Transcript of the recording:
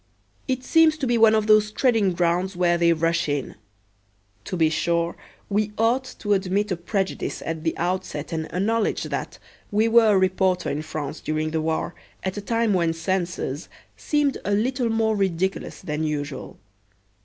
It seems to be one of those treading grounds where they rush in. To be sure, we ought to admit a prejudice at the outset and acknowledge that we were a reporter in France during the war at a time when censors seemed a little more ridiculous than usual.